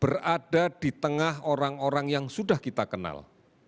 berada di tengah orang orang yang sudah kita kenal